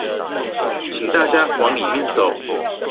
請大家往裡面走